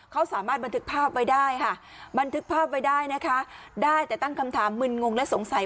เขาสามารถบันทึกภาพไว้ได้ได้แต่ตั้งคำถามมึนงงและสงสัย